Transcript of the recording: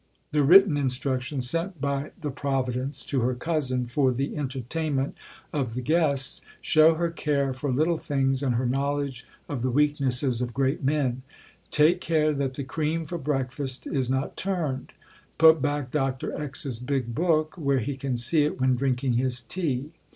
The written instructions sent by "the Providence" to her cousin for the entertainment of the guests show her care for little things and her knowledge of the weaknesses of great men: "Take care that the cream for breakfast is not turned." "Put back Dr. X.'s big book where he can see it when drinking his tea."